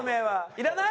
いらない？